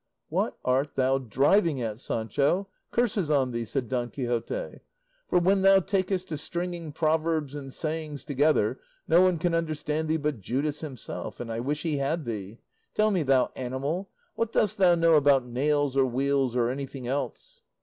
"What art thou driving at, Sancho? curses on thee!" said Don Quixote; "for when thou takest to stringing proverbs and sayings together, no one can understand thee but Judas himself, and I wish he had thee. Tell me, thou animal, what dost thou know about nails or wheels, or anything else?"